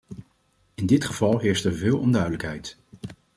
In dit geval heerst er veel onduidelijkheid.